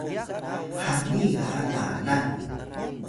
hani ga lalan